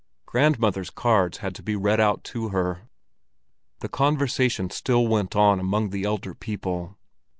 Grandmother's cards had to be read out to her. The conversation still went on among the elder people.